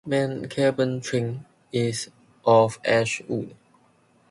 Main cabin trim is of ash wood.